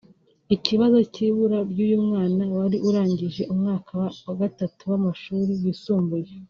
Ikibazo cy’ibura ry’uyu mwana wari urangije umwaka wa gatatu w’amashuri yisumbuye